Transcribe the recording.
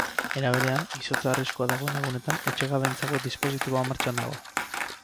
Era berean, izotz arriskua dagoen egunetan etxegabeentzako dispositiboa martxan dago.